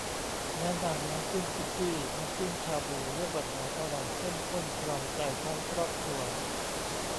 แนะนำน้ำจิ้มสุกี้ น้ำจิ้มชาบู เลือกแบบไหนอร่อยเข้มข้นครองใจทั้งครอบครัว